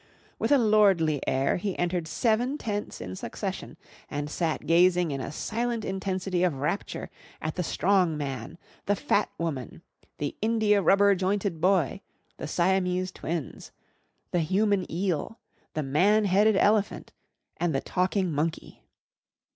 With a lordly air, he entered seven tents in succession and sat gazing in a silent intensity of rapture at the Strong Man, the Fat Woman, the Indiarubber Jointed Boy, the Siamese Twins, the Human Eel, the Man headed Elephant and the Talking Monkey.